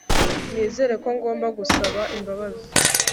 Nizera ko ngomba gusaba imbabazi